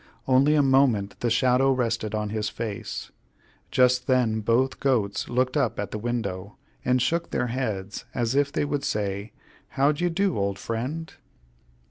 Only a moment the shadow rested on his face. Just then both goats looked up at the window and shook their heads as if they would say "How d'ye do, old friend?"